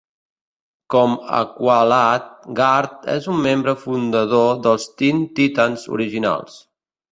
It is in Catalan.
Com Aqualad, Garth és un membre fundador dels Teen Titans originals.